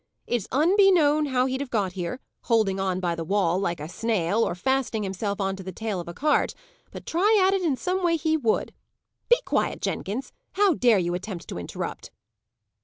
"It's unbeknown how he'd have got here holding on by the wall, like a snail, or fastening himself on to the tail of a cart; but try at it, in some way, he would! Be quiet, Jenkins! How dare you attempt to interrupt!"